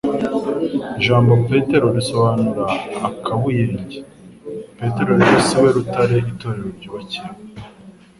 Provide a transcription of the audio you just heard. Ijambo Petero risobanura akabuyenge. Petero rero si we Rutare itorero ryubatseho.